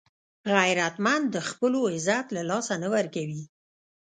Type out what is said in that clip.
غیرتمند د خپلو عزت له لاسه نه ورکوي